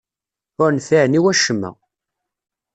Ur nfiɛen i wacemma.